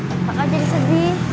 apa kau jadi sedih